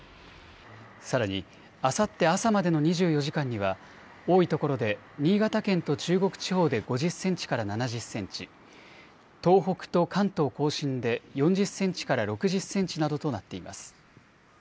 さらに、あさって朝までの２４時間には多いところで新潟県と中国地方で５０センチから７０センチ、東北と関東甲信で４０センチから６０センチなどとなっています。